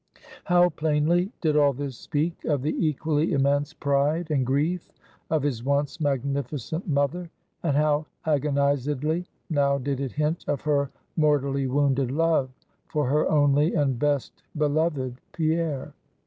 How plainly did all this speak of the equally immense pride and grief of his once magnificent mother; and how agonizedly now did it hint of her mortally wounded love for her only and best beloved Pierre!